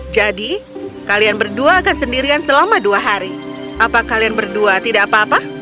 jadi kalian berdua akan sendirian selama dua hari apa kalian berdua tidak apa apa